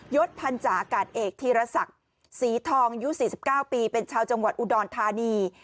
ศพันธาอากาศเอกธีรศักดิ์ศรีทองอายุ๔๙ปีเป็นชาวจังหวัดอุดรธานี